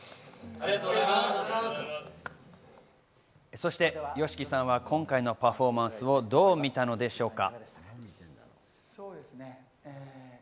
そしてＹＯＳＨＩＫＩさんは今回のパフォーマンスをどう見たのでしょうか？